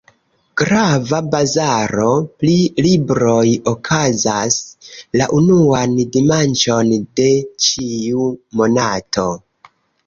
Grava bazaro pri libroj okazas la unuan dimanĉon de ĉiu monato.